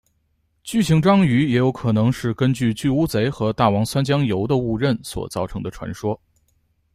巨型章鱼也有可能是根据巨乌贼和大王酸浆鱿的误认所造成的传说。